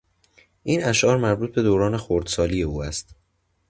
این اشعار مربوط به دوران خردسالی او است.